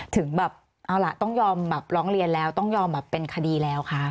ถึงต้องยอมร้องเรียนแล้วต้องยอมเป็นคดีแล้วคะ